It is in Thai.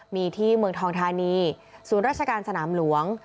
มีที่เมืองทองธานีศูนย์ราชการสนามหลวง